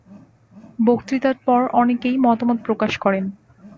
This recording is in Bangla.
বক্তৃতার পর অনেকেই মতামত প্রকাশ করেন।